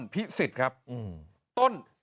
พิศิษฐ์ครับต้น